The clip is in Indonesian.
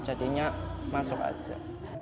jadinya masuk aja